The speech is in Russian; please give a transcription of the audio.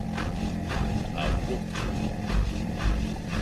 А вот к чему!